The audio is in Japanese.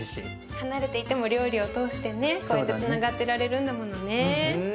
離れていても料理を通してねこうやってつながってられるんだものね。